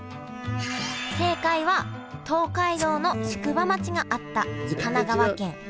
正解は東海道の宿場町があった神奈川県川崎市。